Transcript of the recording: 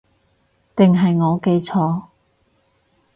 定係我記錯